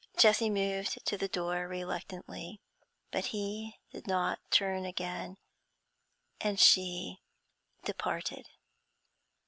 Jessie moved to the door reluctantly; but he did not turn again, and she departed.